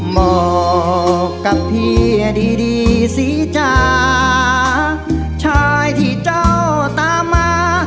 บอกกับพี่ดีสีจ๋าชายที่เจ้าตามมา